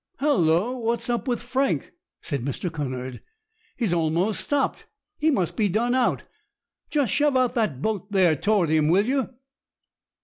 "Hallo! what's up with Frank?" said Mr. Cunard. "He has almost stopped. He must be done out. Just shove out that boat there toward him, will you?"